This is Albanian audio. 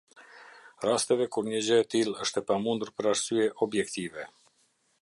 Rasteve kur një gjë e tillë është e pamundur për arsye objektive.